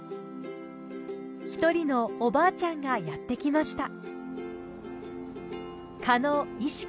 一人のおばあちゃんがやってきました。